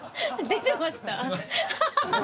出てました？